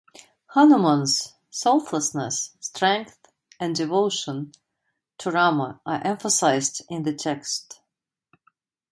Hanuman's selflessness, strength, and devotion to Rama are emphasized in the text.